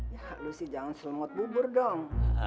ya lo sih jangan selemot bubur dong